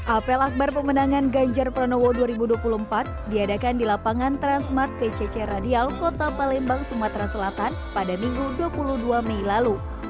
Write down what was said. apel akbar pemenangan ganjar pranowo dua ribu dua puluh empat diadakan di lapangan transmart pcc radial kota palembang sumatera selatan pada minggu dua puluh dua mei lalu